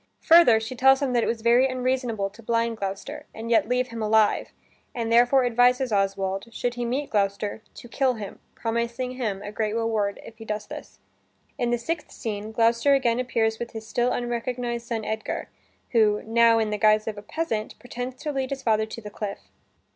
Further she tells him that it was very unreasonable to blind Gloucester and yet leave him alive, and therefore advises Oswald, should he meet Gloucester, to kill him, promising him a great reward if he does this. In the sixth scene, Gloucester again appears with his still unrecognized son Edgar, who (now in the guise of a peasant) pretends to lead his father to the cliff.